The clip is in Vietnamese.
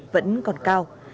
vẫn còn cao